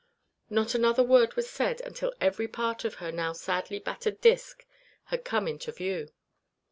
Not another word was said until every part of her now sadly battered disc had come into view.